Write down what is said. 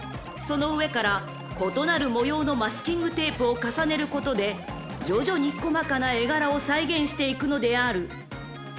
［その上から異なる模様のマスキングテープを重ねることで徐々に細かな絵柄を再現していくのである］